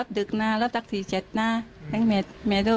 เบอร์ลูอยู่แบบนี้มั้งเยอะมาก